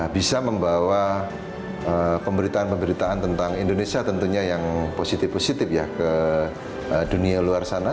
bisa membawa pemberitaan pemberitaan tentang indonesia tentunya yang positif positif ya ke dunia luar sana